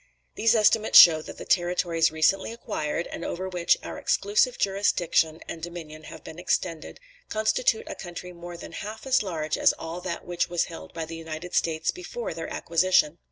These estimates show that the territories recently acquired, and over which our exclusive jurisdiction and dominion have been extended, constitute a country more than half as large as all that which was held by the United States before their acquisition.